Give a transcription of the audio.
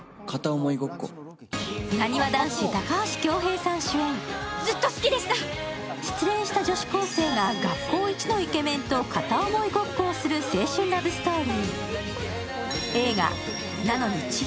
なにわ男子、高橋恭平さん主演、失恋した女子高生が学校一のイケメンと片想いごっこをする青春ラブストーリー。